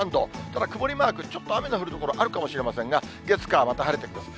ただ、曇りマーク、ちょっと雨の降る所、あるかもしれませんが、月、火、また晴れてきます。